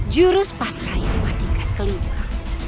jurus patraikmat tingkat kelima